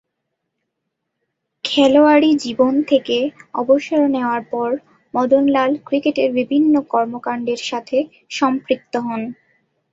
খেলোয়াড়ী জীবন থেকে অবসর নেয়ার পর মদন লাল ক্রিকেটের বিভিন্ন কর্মকাণ্ডের সাথে সম্পৃক্ত হন।